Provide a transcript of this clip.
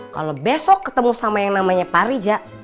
kalo besok ketemu sama yang namanya parijak